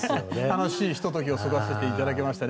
楽しいひと時を過ごさせていただきました。